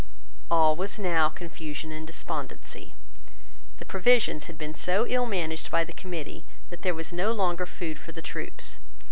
All was now confusion and despondency. The provisions had been so ill managed by the Committee that there was no longer food for the troops.